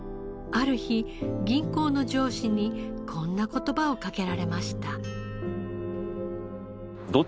ある日銀行の上司にこんな言葉をかけられました。